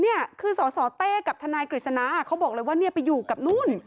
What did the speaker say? นี่คือสสเต้กับทนายกฤษณะเขาบอกเลยว่าเนี่ยไปอยู่กับนู่น